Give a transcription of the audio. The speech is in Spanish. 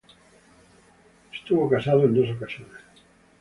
Estuvo casado en dos ocasiones.